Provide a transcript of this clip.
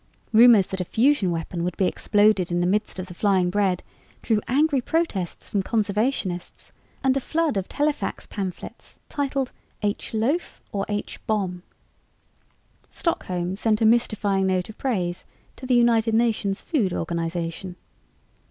Rumors that a fusion weapon would be exploded in the midst of the flying bread drew angry protests from conservationists and a flood of telefax pamphlets titled "H Loaf or H bomb?" Stockholm sent a mystifying note of praise to the United Nations Food Organization.